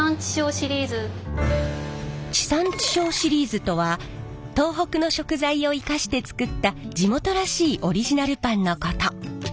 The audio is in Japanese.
地産地消シリーズとは東北の食材を生かして作った地元らしいオリジナルパンのこと。